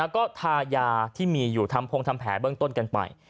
ก็ทายาที่มีอยู่ทำพงทำแผลเบื้องต้นกันไป